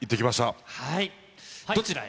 どちらへ？